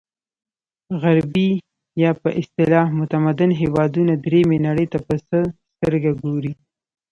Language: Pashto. غربي یا په اصطلاح متمدن هېوادونه درېیمې نړۍ ته په څه سترګه ګوري.